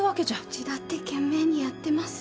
うちだって懸命にやってます。